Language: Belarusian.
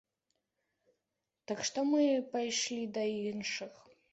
Так што мы пайшлі да іншых.